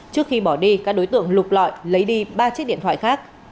trước khi bỏ đi các đối tượng lục lọi lấy đi ba chiếc điện thoại khác